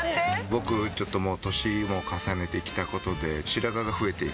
僕ちょっと年も重ねてきた事で。